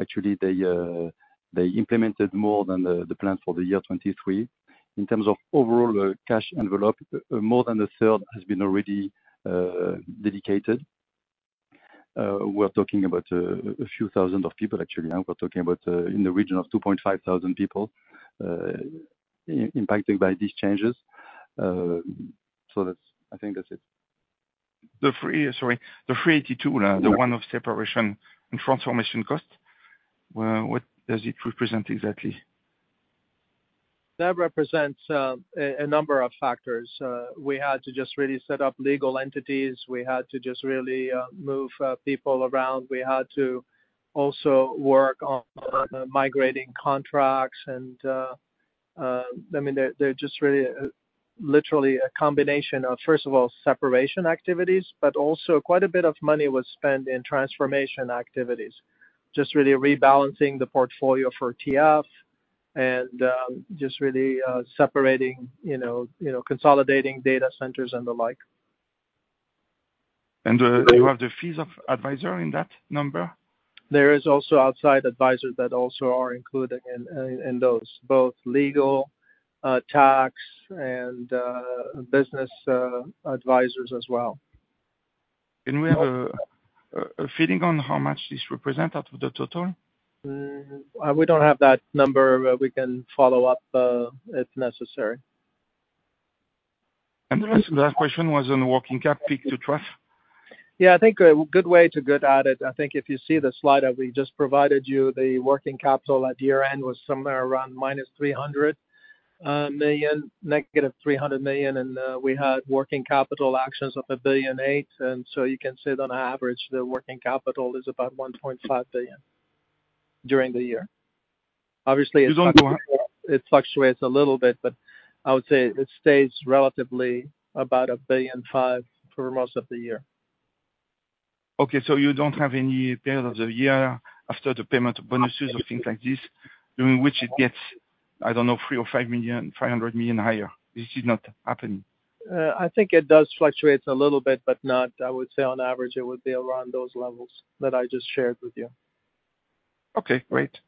Actually, they implemented more than the plan for the year 2023. In terms of overall cash envelope, more than a third has been already dedicated. We're talking about a few thousand of people, actually. We're talking about in the region of 2,500 people impacted by these changes. So I think that's it. Sorry. The 382, the one-off separation and transformation cost, what does it represent exactly? That represents a number of factors. We had to just really set up legal entities. We had to just really move people around. We had to also work on migrating contracts. And I mean, they're just really literally a combination of, first of all, separation activities, but also quite a bit of money was spent in transformation activities, just really rebalancing the portfolio for TF and just really separating, consolidating data centers and the like. And you have the fees of advisor in that number? There is also outside advisors that also are included in those, both legal, tax, and business advisors as well. We have a feeling on how much this represents out of the total? We don't have that number. We can follow up if necessary. The last question was on working cap peak to trough. Yeah. I think good way to get at it. I think if you see the slide that we just provided you, the working capital at year-end was somewhere around -300 million, negative 300 million, and we had working capital actions of 1.8 billion. So you can say that on average, the working capital is about 1.5 billion during the year. Obviously, it fluctuates a little bit, but I would say it stays relatively about 1.5 billion for most of the year. Okay. So you don't have any period of the year after the payment of bonuses or things like this during which it gets, I don't know, 3 million or 5 million, 500 million higher? This is not happening? I think it does fluctuate a little bit, but not, I would say, on average, it would be around those levels that I just shared with you. Okay. Great.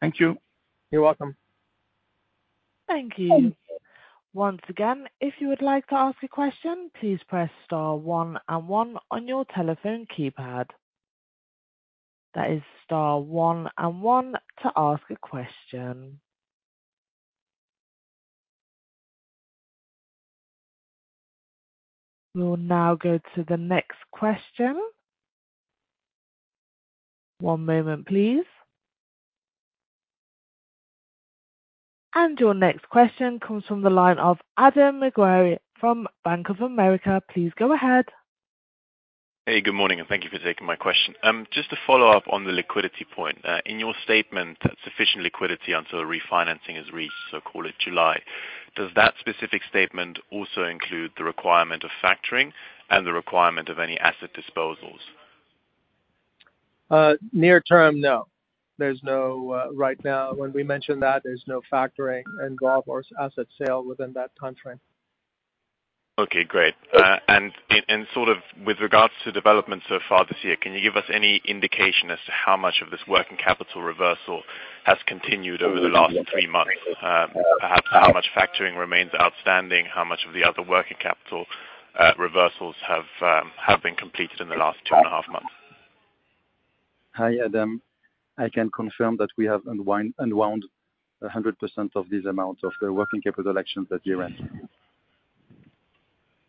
Thank you. You're welcome. Thank you. Once again, if you would like to ask a question, please press star one and one on your telephone keypad. That is star one and one to ask a question. We will now go to the next question. One moment, please. And your next question comes from the line of Adam Maguire from Bank of America. Please go ahead. Hey. Good morning. And thank you for taking my question. Just to follow up on the liquidity point, in your statement, sufficient liquidity until refinancing is reached, so call it July. Does that specific statement also include the requirement of factoring and the requirement of any asset disposals? Near term, no. Right now, when we mention that, there's no factoring involved or asset sale within that timeframe. Okay. Great. And sort of with regards to developments so far this year, can you give us any indication as to how much of this working capital reversal has continued over the last three months, perhaps how much factoring remains outstanding, how much of the other working capital reversals have been completed in the last two and a half months? Hi, Adam. I can confirm that we have unwound 100% of this amount of the working capital actions at year-end.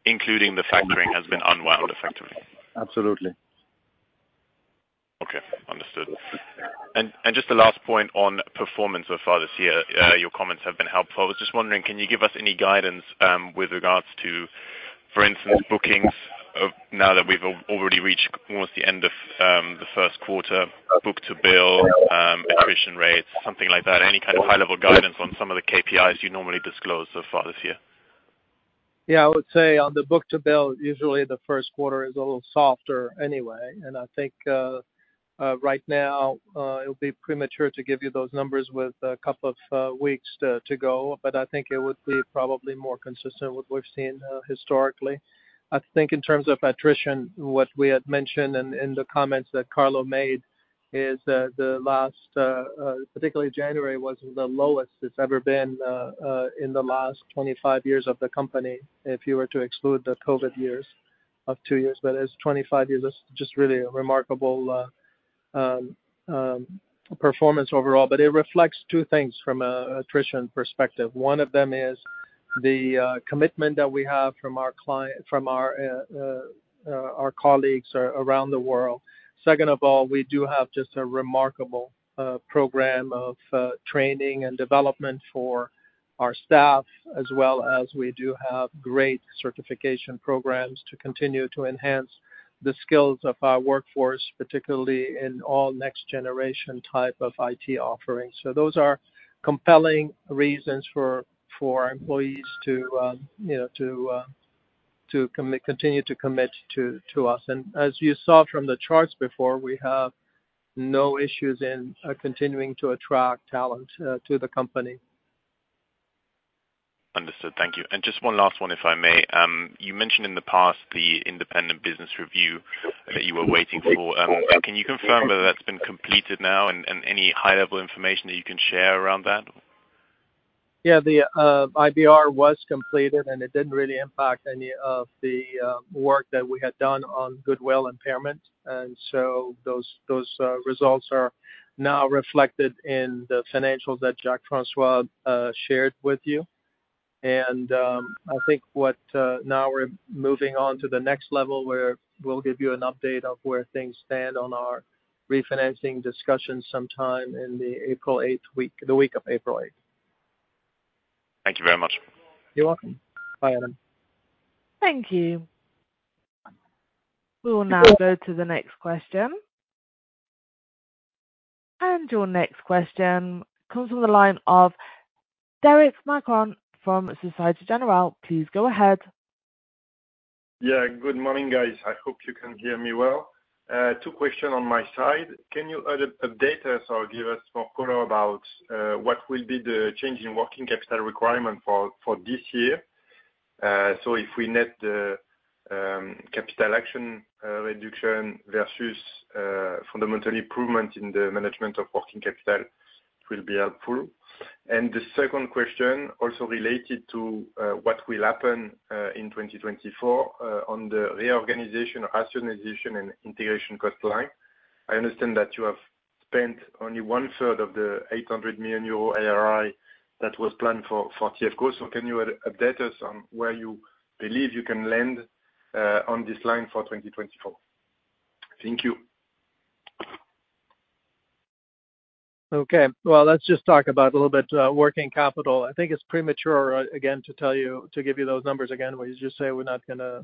Including the factoring has been unwound, effectively? Absolutely. Okay. Understood. Just the last point on performance so far this year, your comments have been helpful. I was just wondering, can you give us any guidance with regards to, for instance, bookings now that we've already reached almost the end of the first quarter, Book-to-Bill, attrition rates, something like that, any kind of high-level guidance on some of the KPIs you normally disclose so far this year? Yeah. I would say on the Book-to-Bill, usually, the first quarter is a little softer anyway. And I think right now, it'll be premature to give you those numbers with a couple of weeks to go, but I think it would be probably more consistent with what we've seen historically. I think in terms of attrition, what we had mentioned in the comments that Carlo made is the last, particularly January, was the lowest it's ever been in the last 25 years of the company, if you were to exclude the COVID years of 2 years. But it's 25 years. That's just really a remarkable performance overall. But it reflects two things from an attrition perspective. One of them is the commitment that we have from our colleagues around the world. Second of all, we do have just a remarkable program of training and development for our staff, as well as we do have great certification programs to continue to enhance the skills of our workforce, particularly in all next-generation type of IT offerings. So those are compelling reasons for employees to continue to commit to us. And as you saw from the charts before, we have no issues in continuing to attract talent to the company. Understood. Thank you. And just one last one, if I may. You mentioned in the past the independent business review that you were waiting for. Can you confirm whether that's been completed now and any high-level information that you can share around that? Yeah. The IBR was completed, and it didn't really impact any of the work that we had done on goodwill impairment. And so those results are now reflected in the financials that Jacques-François shared with you. And I think now we're moving on to the next level. We'll give you an update of where things stand on our refinancing discussion sometime in the April 8th week, the week of April 8th. Thank you very much. You're welcome. Bye, Adam. Thank you. We will now go to the next question. Your next question comes from the line of Derric Marcon from Société Générale. Please go ahead. Yeah. Good morning, guys. I hope you can hear me well. Two questions on my side. Can you add updates or give us more color about what will be the change in working capital requirement for this year? So if we net the capital action reduction versus fundamental improvement in the management of working capital, it will be helpful. And the second question, also related to what will happen in 2024 on the reorganization, rationalization, and integration cost line, I understand that you have spent only one-third of the 800 million euro CIRI that was planned for TFCO. So can you update us on where you believe you can land on this line for 2024? Thank you. Okay. Well, let's just talk about a little bit working capital. I think it's premature, again, to give you those numbers again. We just say we're not going to;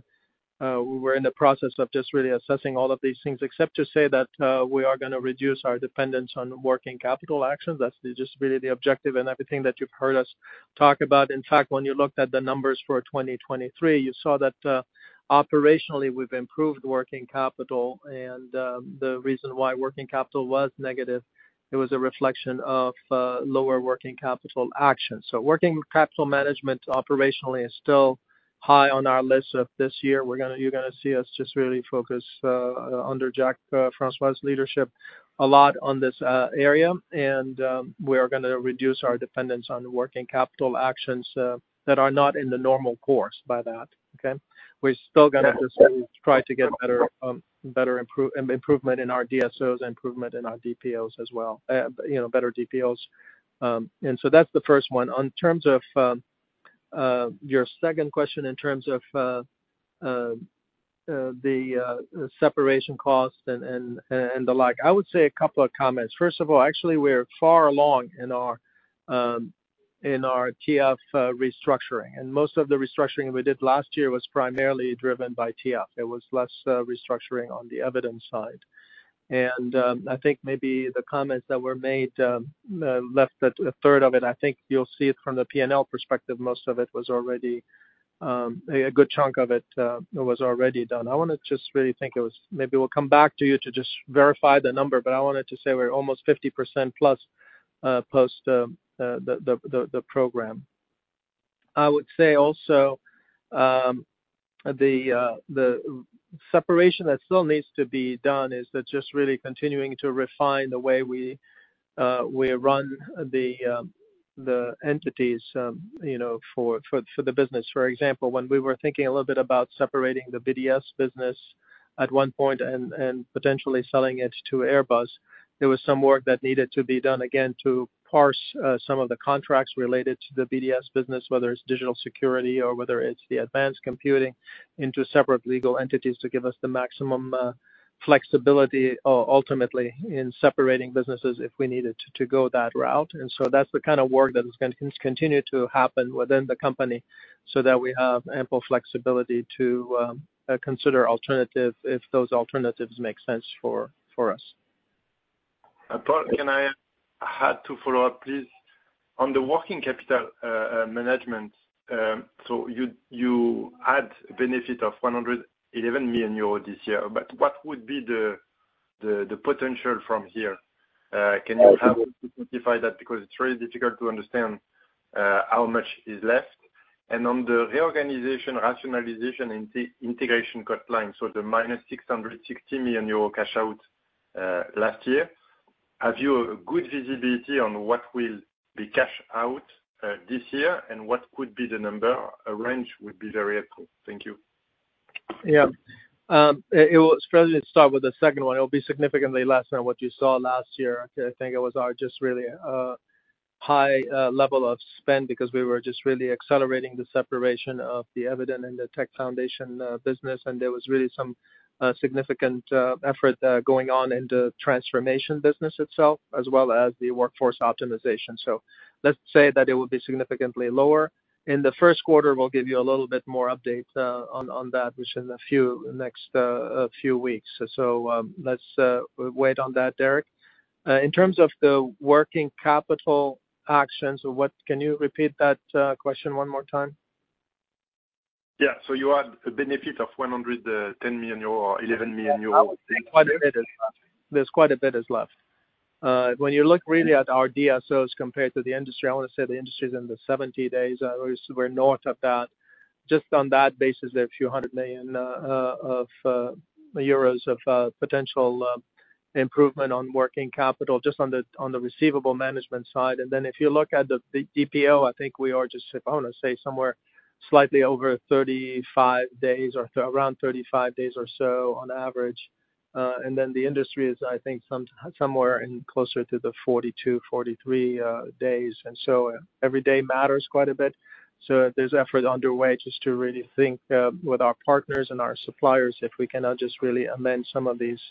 we're in the process of just really assessing all of these things, except to say that we are going to reduce our dependence on working capital actions. That's just really the objective and everything that you've heard us talk about. In fact, when you looked at the numbers for 2023, you saw that operationally, we've improved working capital. And the reason why working capital was negative, it was a reflection of lower working capital actions. So working capital management operationally is still high on our list of this year. You're going to see us just really focus, under Jacques-François's leadership, a lot on this area. We are going to reduce our dependence on working capital actions that are not in the normal course by that, okay? We're still going to just try to get better improvement in our DSOs and improvement in our DPOs as well, better DPOs. And so that's the first one. In terms of your second question, in terms of the separation cost and the like, I would say a couple of comments. First of all, actually, we're far along in our TF restructuring. And most of the restructuring we did last year was primarily driven by TF. It was less restructuring on the Eviden side. And I think maybe the comments that were made left a third of it. I think you'll see it from the P&L perspective. Most of it was already a good chunk of it was already done. I want to just really think it was maybe we'll come back to you to just verify the number, but I wanted to say we're almost 50%+ post the program. I would say also the separation that still needs to be done is just really continuing to refine the way we run the entities for the business. For example, when we were thinking a little bit about separating the BDS business at one point and potentially selling it to Airbus, there was some work that needed to be done again to parse some of the contracts related to the BDS business, whether it's digital security or whether it's the advanced computing, into separate legal entities to give us the maximum flexibility, ultimately, in separating businesses if we needed to go that route. And so that's the kind of work that is going to continue to happen within the company so that we have ample flexibility to consider alternatives if those alternatives make sense for us. I thought I had to follow up, please. On the working capital management, so you had a benefit of 111 million euros this year, but what would be the potential from here? Can you help us to quantify that because it's really difficult to understand how much is left? And on the reorganization, rationalization, and integration cost line, so the -660 million euro cash out last year, have you a good visibility on what will be cashed out this year and what could be the number? A range would be very helpful. Thank you. Yeah. It was present to start with the second one. It'll be significantly less than what you saw last year. I think it was just really a high level of spend because we were just really accelerating the separation of the Eviden and the Tech Foundations business. And there was really some significant effort going on in the transformation business itself as well as the workforce optimization. So let's say that it will be significantly lower. In the first quarter, we'll give you a little bit more update on that within the next few weeks. So let's wait on that, Derric. In terms of the working capital actions, can you repeat that question one more time? Yeah. So you had a benefit of 110 million euro or 11 million euro? There's quite a bit left. There's quite a bit left. When you look really at our DSOs compared to the industry, I want to say the industry is in the 70 days. We're north of that. Just on that basis, there are a few hundred million EUR of potential improvement on working capital, just on the receivable management side. And then if you look at the DPO, I think we are just, I want to say, somewhere slightly over 35 days or around 35 days or so on average. And then the industry is, I think, somewhere closer to the 42-43 days. And so every day matters quite a bit. So there's effort underway just to really think with our partners and our suppliers if we cannot just really amend some of these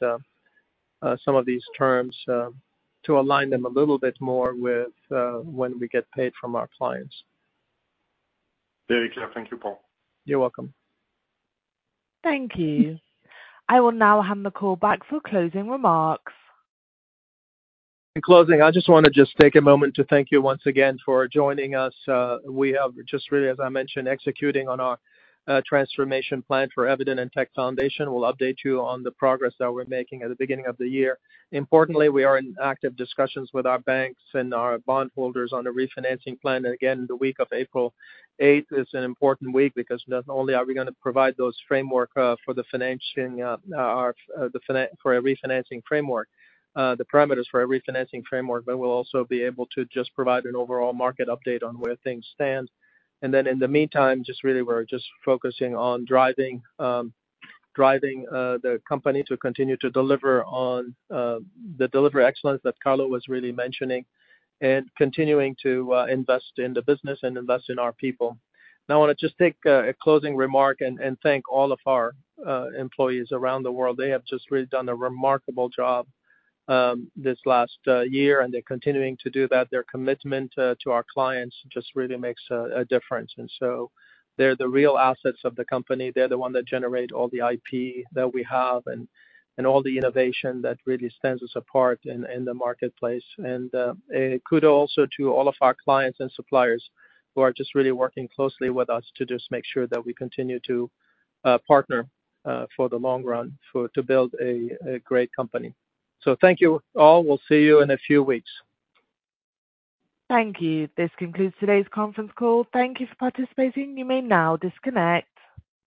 terms to align them a little bit more with when we get paid from our clients. Very clear. Thank you, Paul. You're welcome. Thank you. I will now hand the call back for closing remarks. In closing, I just want to just take a moment to thank you once again for joining us. We are just really, as I mentioned, executing on our transformation plan for Eviden and Tech Foundations. We'll update you on the progress that we're making at the beginning of the year. Importantly, we are in active discussions with our banks and our bondholders on a refinancing plan. And again, the week of April 8th is an important week because not only are we going to provide those framework for the refinancing framework, the parameters for a refinancing framework, but we'll also be able to just provide an overall market update on where things stand. Then in the meantime, just really, we're just focusing on driving the company to continue to deliver on the delivery excellence that Carlo was really mentioning and continuing to invest in the business and invest in our people. Now, I want to just take a closing remark and thank all of our employees around the world. They have just really done a remarkable job this last year, and they're continuing to do that. Their commitment to our clients just really makes a difference. And so they're the real assets of the company. They're the one that generate all the IP that we have and all the innovation that really stands us apart in the marketplace. And a kudos also to all of our clients and suppliers who are just really working closely with us to just make sure that we continue to partner for the long run to build a great company. So thank you all. We'll see you in a few weeks. Thank you. This concludes today's conference call. Thank you for participating. You may now disconnect.